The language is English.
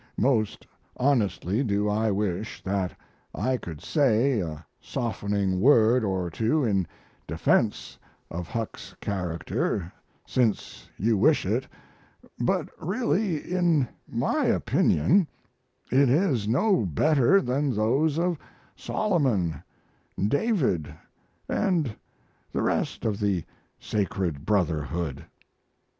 Most honestly do I wish that I could say a softening word or two in defense of Huck's character since you wish it, but really, in my opinion, it is no better than those of Solomon, David, & the rest of the sacred brotherhood.